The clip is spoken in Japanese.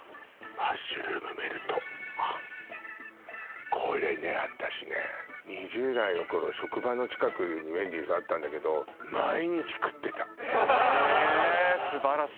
マッシュルームメルトあっこれね私ね２０代の頃職場の近くにウェンディーズあったんだけど毎日食ってたへえ素晴らしい